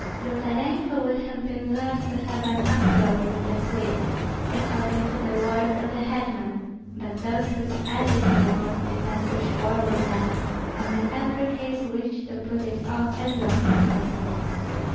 Zolotarenko would have been glad too to have an "uproar" with the Swedes, according to the words of the hetman; but those whose ally he was did not wish war with them, or in every case wished to put it off as long as possible.